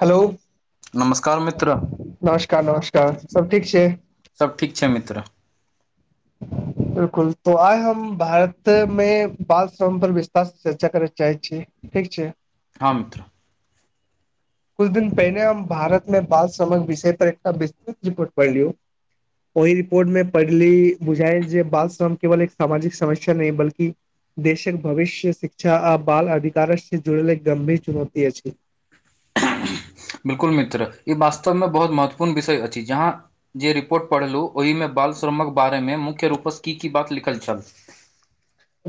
hello नमस्कार मित्र नमस्कार नमस्कार सब ठीक छै सब ठीक छै मित्र ह [inaudible] [inaudible] बिलकुल तऽ आइ हम भारत मे बाल श्रम पर विस्तार स चर्चा करय चाहैत छी ठीक छै हँ मित्र कुछ दिन पहिनेे हम भारत मे बाल समक विषय पर एकटा विस्तृत रिपोर्ट पढ़लियौ ओहि रिपोर्ट मे पढ़ली बुझायल जे बात श्र केवल एक सामाजिक समस्या नहि बल्कि देशक भविष्य शिक्षा आ बाल अधिकार से जुड़ल एक गंभीर चुनौती अछि बिलकुल मित्र ई वास्तवमे बहुत महत्वपूर्ण विषय अछि जहाँ जे रिपोर्ट पढ़लहुँ ओहिमे बालश्रमक बारेमे मुख्य रूपस की बात लिखल छल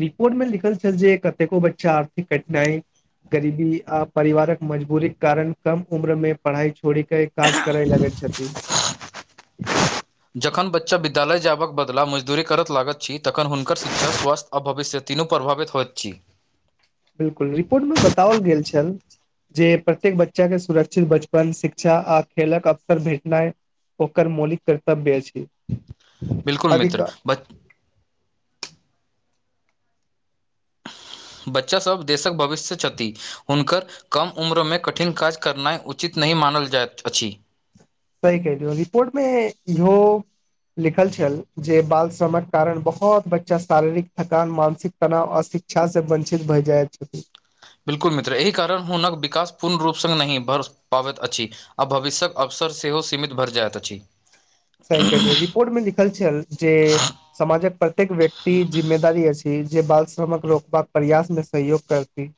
रिपोर्ट मे लिखल छै जे कतेको बच्चा आर्थिक कठिनाइ गरीबी आप परिवारक मजबूरी कारण कम उम्र में पढ़ाई छोड़ी के काज करे लगे छथिन जखन बच्चा विद्यालय जाबक बदला मजदूरी करत लागत छी तखन हुनकर शिक्षक स्वास्थ्य अ भविष्य तीनू प्रभावित होइत छी बिल्कुल रिपोर्ट मे बताओल गेल छल जे प्रत्येक बच्चा के सुरक्षित बचपन शिक्षा आ खेलक अवसर भेटनाइ ओकर मौलि कर्तव्य अछि बिलकुल अधिक मित्र बच्च बच्चा सभ देशक भविष्य छथि हुनकर कम उम्र मे कठिन काज करनाइ उचित नहि मानल जाइत अछि सही कहलियौ रिपोर्ट मे इहो लिखल छल जे बाल श्रमक कारण बहुत बच्चा शारीरिक थकान मानसिक तनाव अशिक्षा से वंचित भए जाइत छथि बिल्कुल मित्र एहि कारण हुनक विकास पूर्ण रूपसँ नहि भ पाबैत अछि आ भविष्यक अवसर सेहो सीमित भरि जायत अछि सही किहलियो रिपोर्ट मे लिखल छल जे समाजक प्रत्येक व्यक्ति जिम्मेदारी अछि जे बाल श्रमक रोकबाक प्रयास मे सहयोग करती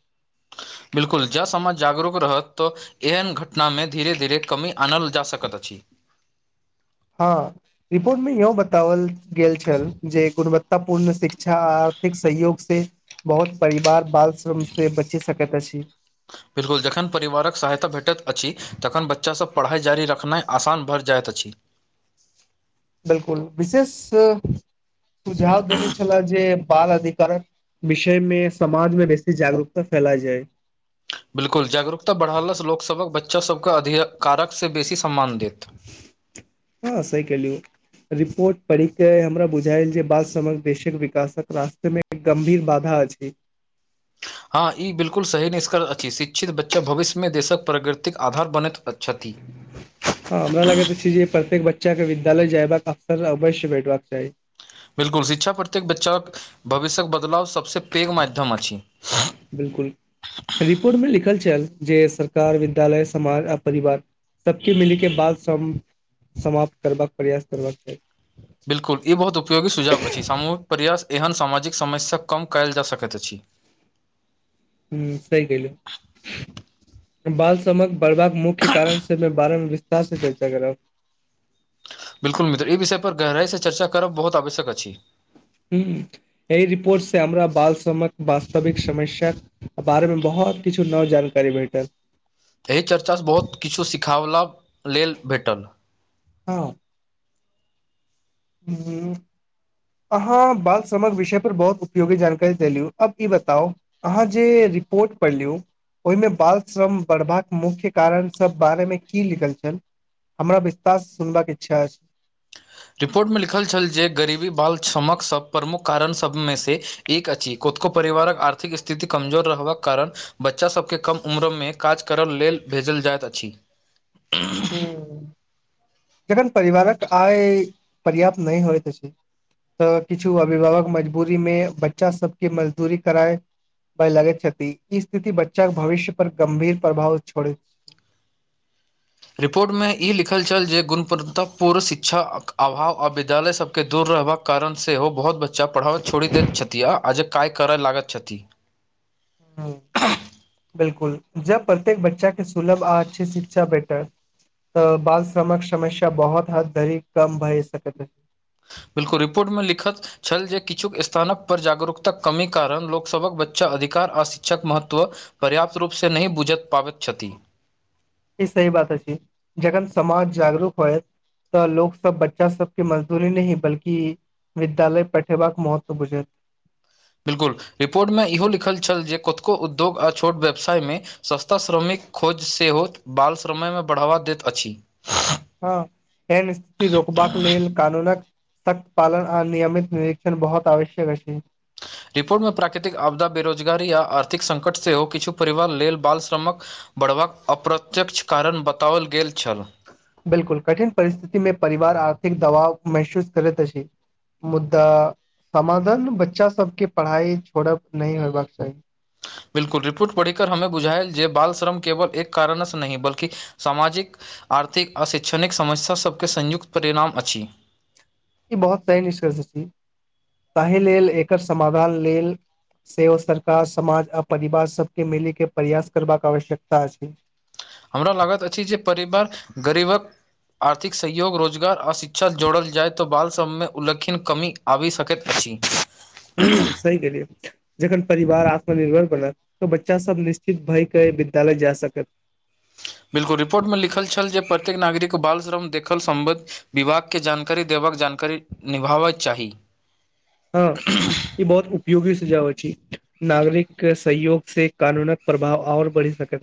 बिल्कुल जँ समज जागरूक रहत तऽ एहन घटना मे धीरे धीरे कमी आनल जा सकैत अछि हँ रिपोर्टमे इहो बताओल गेल छल जे गुणवत्तापूर्ण शिक्षा आ आर्थिक सहयोग से बहुत परिवार बाल श्रम से बचि सकैत अछि बिल्कुल जखन परिवारक सहायता भेटैत अछि तखन बच्चासभ पढ़ाइ जारी रखनाइ आसान भरि जाइत अछि बिलकुल विशेष सुझाव देने छलै जे बाल अधिकारक विषय मे समाज मे बेसी जागरूकता फैलाय जाय बिल्कुल जागरूकता बढ़लासँ लोकसभक बच्चासभके अधिकारकसँ बेसी सम्मान देत हँ सही कहलिये रिपोर्ट पढ़िक के हमरा बुझायल जे बाद समग देशक विकासक रास्ते मे गम्भीर बाधा अछि हँ ई बिलकुल सही निष्कर्ष अछि शिक्षित बच्चा भविष्यमे देशक प्रगृतिक आधार बनैत छथि हँ हमरा लागैत अछि जे प्रत्येक बच्चा के विद्यालय जयबाक अक्सर अवश्य भेटबाक चाही बिल्कुल शिक्षा प्रत्येक बच्चा भविष्यक बदलाव सबसे पैघ माध्यम अछि बिल्कुल रिपोर्टमे लिखल छल जे सरकार विद्यालय समाज आ परिवार सबके मिली के बात सम समाप्त करबाक प्रयास करबाक छै बिल्कुल ई बहुत उपयोगी सुझाव अछि सामूहिक प्रयास एहन सामाजिक समस्या कम कयल जा सकैत अछि हूं सही कहलू बाल समक बढ़बाक मुख्य कारण से मे बारे मे विस्तार से चर्चा करव बिल्कुल मित्र ई विषय पर गहराई से चर्चा करब बहुत आवश्यक अछि हूं एहि रिपोर्ट से हमरा बाल समक वास्तविक समस्या बारे मे बहुत किछु नव जानकारी भेटल एहि चर्चासँ बहुत किछु सिखाबला लेल भेटल हँ हू अहाँ बाल समग विषय पर बहुत उपयोगी जानकारी देलु अब ई बताउ अहाँ जे रिपोर्ट पढ़ लियौ ओहि मे बाल श्रम बढ़बाक मुख्य कारण सब बारे मे की लिखल छल हमरा विश्तास सुनबाक इच्छा अछि रिपोर्ट मे लिखल छल जे गरीबी बाल क्षमक सब प्रमुख कारण सबमे से एक अछि कोतको परिवारक आर्थिक स्थिति कमजोर रहबाक कारण बच्चा सबके कम उम्रमे काज करय लेल भेजल जाइत अछि हूं जखन परिवारक आय पर्याप्त नहि होयत अछि तऽ किछु अभिभावक मजबूरी मे बच्चा सबके मजदूरी कराय लगे छथि ई स्थिति बच्चा के भविष्य पर गंभीर प्रभाव छोड़ रिपोर्टमे ई लिखल छल जे गुणवतापूर्ण शिक्षा अभाव आ विद्यालय सभ के दूर रहबाक कारण सेहो बहुत बच्चा पढ़ाव छोड़ि दैत छथि आ जे काय करय लागत छथि हँ बिलकुल जब प्रत्येक बच्चा के सुलभ आ अच्छी शिक्षा भेटत तऽ बाल श्रमक समस्या बहुत हद धरी कम भए सकैत बिल्कुल रिपोर्ट मे लिखत छल जे किछुक स्थानक पर जागरूकताक कमी कारण लोकसभक बच्चा अधिकार आ शिक्षाक महत्व पर्याप्त रूप से नहि बुझ पाबैत क्षति ही सही बात अ छै जगन समाज जागरूक होएत तऽ लोक सब बच्चा सबके मजदूरी नहि बल्कि विद्यालय पठेबाक महत्व बुझे बिल्कुल रिपोर्टमे इहो लिखल छल जे कतको उद्योग आ छोट व्यवसायमे सस्ता श्रमिक खोज सेहोत बाल श्रमय मे बढ़ावा दैत अछि हँ एन स्थिति रोकबाक लेल कानूनक सख्त पालन आर नियमित निर्षण बहुत आवश्यक छै रिपोर्टमे प्राकृतिक आपदा बेरोजगारी आ आर्थिक संङ्कट सेहो किछु परिवार लेल बाल श्रमक बढ़बाक अप्रत्यक्ष कारण बताओल गेल छल बिलकुल कठिन परिस्थिति मे परिवार आर्थिक दबाव महसूस करैत अछि मुद्दा समाधान बच्चा सब के पढ़ाई छोड़ब नहि होयबाक चाही बिलकुल रिपोर्ट पढ़ी कर हममे बुझायल जे बाल श्रम केवल एक कारणसँ नहि बल्कि सामाजिक आर्थिक आ शैक्षिणिक समस्यासभके संयुक्त परिणाम अछि ई बहुत तैन निष्कर्ष छी ताहि लेल एकर समाधान लेल सेहो सरकार समाज आ परिवार सब के मिलै के प्रयास करबाका आवश्यकता अछि हमरा लागत अछि जे परिवार गरीबक आर्थिक सहयोग रोजगार आओ शिक्षा जोड़ल जाइ तऽ बाल सभमे उल्लखीन कमी आबि सकैत अछि हूँ सही कहलियए जखन परिवार आत्मनिर्भर बनत तऽ बच्चा सब निश्चित भय कै विद्यालय जाय सकत बिल्कुल रिपोर्ट मे लिखल छल जे प्रत्येक नागरिक बाल श्रम देखल सम्बद्ध विभाग के जानकारी देबक जानकारी निभाबैत चाही हँ ई बहुत उपयोगी सुझाव अछि नागरिक सहयोग से कानूनक प्रभाव आओर बढ़ि सकै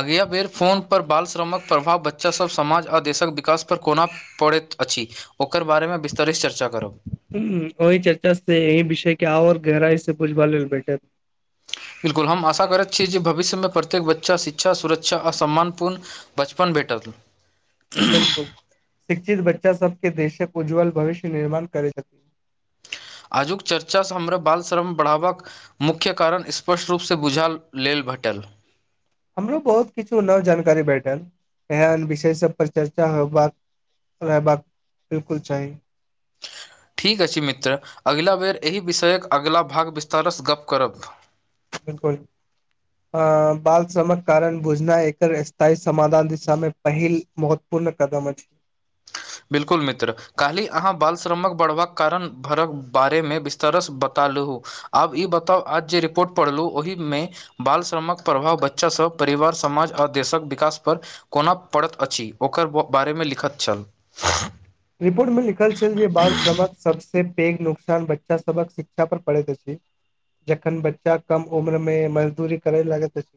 अगिया बेर फोन पर बाल श्रमक प्रभाव बच्चासभ समाज आ देशक विकासपर कोना पड़ैत अछि ओकर बारेमे विस्तारित चर्चा करब हू वहि चर्चा से यह विषय के आओर गहराई से पुछबा लेल भेटैत बिल्कुल हम आशा करैत छी जे भविष्यमे प्रत्येक बच्चा शिक्षा सुरक्षा आर सम्मानपूर्ण बचपन भेटल बिल्कुल शिक्षित बच्चा सबके देशक उज्ज्वल भविष्य निर्माण करै छथि आजुक चर्चासँ हमरा बाल श्रम बढ़ावबक मुख्य कारण स्पष्ट रूपसँ बुझा लेल भेटैल हमरो बहुत किछु नव जानकारी भेटल एहन विषय सब पर चर्चा होबाक रहबाक बिल्कुल चाही ठीक अछि मित्र अगिला बेर एहि विषयक अगिला भाग विस्तारसँ गप्प करब बिलकुल अ बाल श्रमक कारण बुझना एकर स्थायी समाधान दिशामे पहिल महत्वपूर्ण कदम अछि बिलकुल मित्र काल्हि अहाँ बालश्रमक बढ़बाक कारण भरक बारेमे विस्तारेसँ बता लहु आब ई बताउ आज जे रिपोर्ट पढ़लहुँ ओहिमे बाल श्रमक प्रभाव बच्चा सब परिवार समाज आ देशक विकास पर कोना परत अछि ओकर बारेमे लिखत छल रिपोर्ट मे लिखल छल जे बाल सभक सब से पैघ नुकसान बच्चा सबक शिक्षा पर पड़ैत अछि जेखन बच्चा कम उम्र मे मजदूरी करे लागे अछि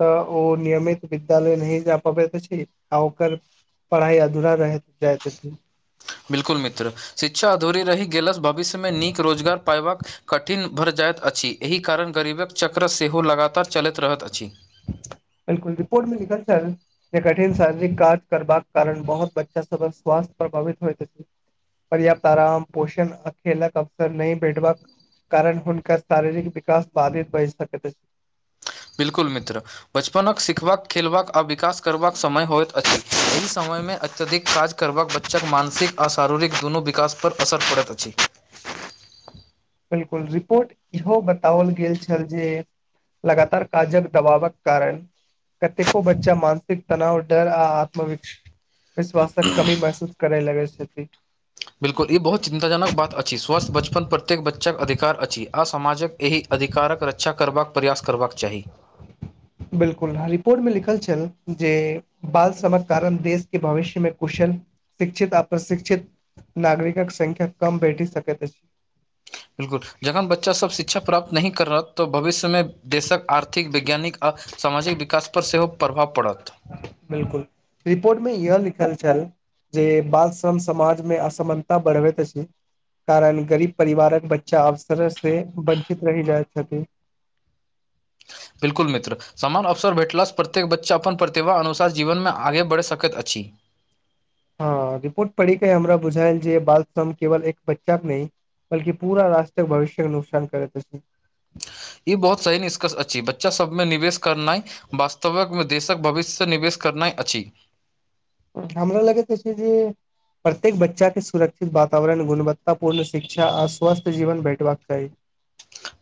तऽ ओ नियमित विद्यालय नहि जा पबैत अछि आ ओकर पढ़ाइ अधूरा रह जाइत अछी बिल्कुल मित्र शिक्षा अधूरी रहि गेलस भविष्यमे नीक रोजगार पयबाक कठिन भरि जाइत अछि एहि कारण गरीबक चक्र सेहो लगातार चलैत रहैत अछि बिल्कुल रिपोर्ट मे लिखल छल कठिन शारीरिक कार्य करबाक कारण बहुत बच्चा सब स्वास्थ प्रभावित होयत अछि पर्याप्त आराम पोषण अखेलक अवसर न भेटबक कारण हुनकर शारीरिक विकास बाधित बढ़ सकैत अछि बिल्कुल मित्र बचपनक सिखबाक खेलबाक आ विकास करबाक समय होयत अछी समयमे अत्यधिक काज करबाक बच्चाके मानसिक आ शारीरिक दुनू विकास पर असर पड़ैत अछि बिलकुल रिपोर्ट इहो बताओल गेल छल जे लगातार काजक दबावक कारण कतेको बच्चा मानसिक तनाव डर आ आत्मविक्ष विश्वासक कमी महसूस करै लगे छथि बिलकुल ई बहुत चिन्तााजनक बात अछि स्वस्थ बचपन प्रत्येक बच्चा के अधिकार अछि आ समाजक एहि अधिकारक रक्षा करबाक प्रयास करबाक चाही बिल्कुल रिपोर्ट मे लिखल छल जे बाल श्रमक कारण देश के भविष्य मे कुशल शिक्षित आशिक्षित नागरिकक संख्य कम भेटी सकै बिलकुल जखन बच्चा सब शिक्षा प्राप्त नहि कर रहत तऽ भविष्यमे देशक आर्थिक वैज्ञानिक आ सामाजिक विकासपर सेहो प्रभाव पड़त बिलकुल रिपोर्टमे इह लिखल छल जे बाल श्रम समाजमे असमानता बढ़बैत अछि कारण गरीब परिवारक बच्चा अवसर से वञ्चित रहि जाइत छथिन बिल्कुल मित्र समान अवसर भेटलासँ प्रत्येक बच्चा अपन प्रतिभााननुसार जीवनमे आगे बढ़ि सकैत अछि हँ रिपोर्ट पढ़िक के हमरा बुझायल जे बाल श्रम केवल एक बच्चाक के न बल्कि पूरा राष्ट्रक भविष्य के नुकसान करैत अछि ई बहुत सही निष्कर्ष अछि बच्चा सभ मे निवेश करनाइ वास्तविकमे देशक भविष्य से निवेश करनाइ अछि हमरा लगैत छै जे प्रत्येक बच्चाके सुरक्षित वातावरण गुणवत्ताापूर्ण शिक्षा आर स्वस्थ्य जीवन भेटबाक चाही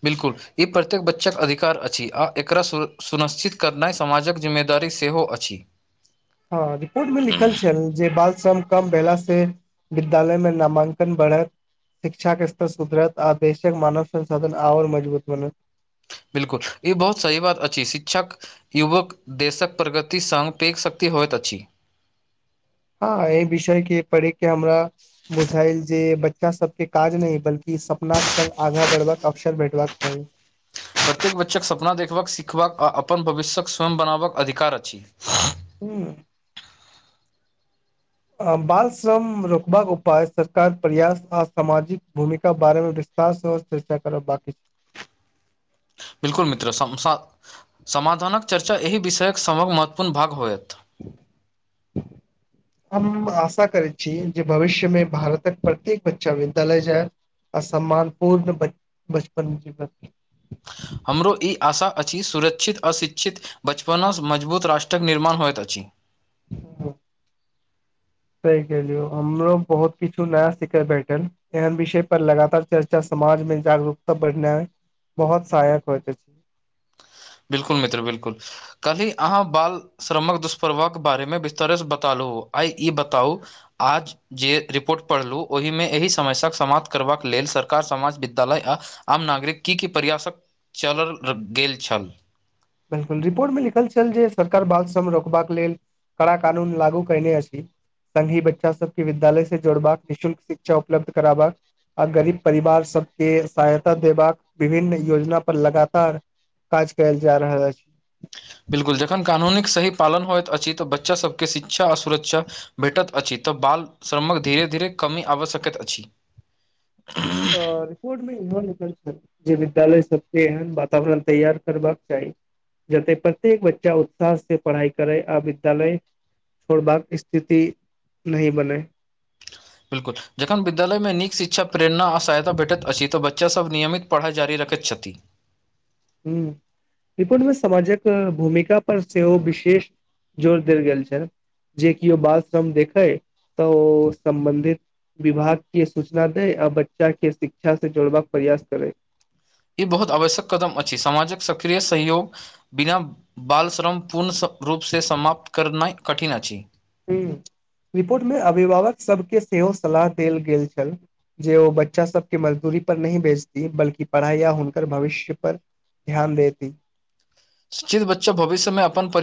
बिल्कुल ई प्रत्येक बच्चाक अधिकार अछि आ एकरा सुनिश्चित कर नहि समाजक जिम्मेदारी सेहो अछि हँ रिपोर्ट मे लिखल छै जे बाल श्रम कम भेला से विद्यालय मे नामांकन बढ़त शिक्षा के स्तर सुधरत आ देशक मानव संसाधन आओर मजबूत बनत बिलकुल ई बहुत सही बात अछि शिक्षक युवक देशक प्रगति सङ्ग पैघ शक्ति होइत अछि हँ एहि विषय के पढ़े के हमरा बुझायल जे बच्चा सबके काज नहि बल्कि सपनााक के संग आगा बढ़बाक के अवसर भेटबाक चाही प्रत्येक बच्चे सपना देखबाकक सिखबाक आ अपन भविष्यके स्वयं बनेबक अधिकार अछि हूँ बाल श्रम रोकबाक उपाय सरकार प्रयास आ सामाजिक भूमिका बारे बेसी त [unintelligible] चर्चा करब बाकी बिल्कुल मित्र समाधानक चर्चा एहि विषयक सभक महत्वपूर्ण भाग होयत [inaudible] हम आशा करैत छी जे भविष्यमे भारतक प्रत्येक बच्चा विद्यालय जाय अ सम्मान पूर्ण बच [unintelligible] बचपन वति [unintelligible] हमरो ई आशा अछि सुरक्षित अशिक्षित बचपनसँ मजबूत राष्ट्रक निर्माण होइत अछि ह [inaudible] सही कहलियो हमरो बहुत किछु नया सिखय बैठल एहन विषय पर लगातार चर्चा समाज मे जागरूकता बढ़नाय बहुत सहायक होइत छै बिलकुल मित्र बिलकुल कल्हि अहाँ बाल श्रमक दुष्प्रभक बारेमे विस्तारसँ बता लू आइ ई बताउ आज जे रिपोर्ट पढ़लहुँ ओहिमे एहि समस्याक समाप्त करबाक लेल सरकार समाज विद्यालय आ आम नागरिक की की प्रयासक चलल गेल छल बिलकुल रिपोर्ट मे लिखल छल जे सरकार बाल श्रम रोकबाक लेल कड़ा कानून लागू करने अछि संघी बच्चा सबके विद्यालय से जोड़बाक निःशुक शिक्षा उपलब्ध करबाक आ गरीब परिवार सबके सहायता देबाक विभिन्न योजना पर लगातार काज कयल जा रहल छै बिलकुल जखन कानून सही पालन होइत अछि तऽ बच्चासभके शिक्षा आ सुरक्षा भेटत अछि तऽ बाल श्रमक धीरे धीरे कमी आवश्यकत अछि आओर सुप मेह जे विद्यालय सबके एहन वातावरण तैयार करबाक चाहि जते प्रत्येक बच्चा उत्साह से पढ़ाई करे आ विद्यालयक छोड़बाक स्थिति नही बनै ब्कुल [unintelligible] जखन विद्यालयमे नीक शिक्षा प्रेरणा आ सहायता भेटैत अछि तऽ बच्चासभ नियमित पढ़ाइ जारी रखैत छथिन्ह ह विपुण मे समामाजिक भूमिका पर सेहो विशेष जोर देल गेल छै जे किओ बाल श्रम देखै तऽ ओ सम्बन्धित विभाग के सूचना देै आ बच्चा के शिक्षा से जोड़बाक प्रयास करै ई बहुत आवश्यक कदम अछि समाजक सक्रिय सहयोग बिना बालश्रम पूर्ण रूपसँ समाप्त करनाइ कठिन अछि ह रिपोर्ट मे अभिभावक सबके सेहो सलाह देल गेल छैक जे ओ बच्चा सबके मजदूरी पर नहि बेचती बल्ि पढ़ाइ या हुनक भविष्य पर ध्यान देती चित बच्चा भविष्य मे अपन परिवार